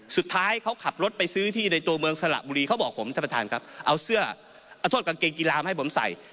สุดท้ายเขาขับรถไปซื้อที่ในตัวเมืองสระบุรีเขาบอกผมท่านประธานครับเอาเสื้อเอาโทษกางเกงกีฬามาให้ผมใส่